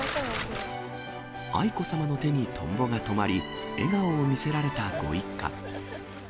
愛子さまの手にトンボが止まり、笑顔を見せられたご一家。